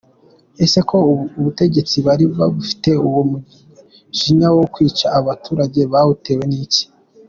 Ese ko ubutegetsi bari babufite, uwo mujinya wo kwica abaturage bawutewe n’iki?